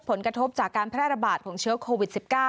ผลกระทบจากการแพร่ระบาดของเชื้อโควิด๑๙